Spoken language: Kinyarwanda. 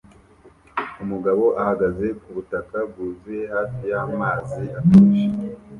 Umugabo ahagaze ku butaka bwuzuye hafi y'amazi atuje